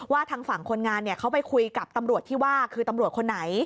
ทางฝั่งคนงานเขาไปคุยกับตำรวจที่ว่าคือตำรวจคนไหน